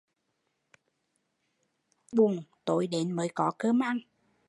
Cả ngày chân lấm tay bùn, tối đến mới có cơm ăn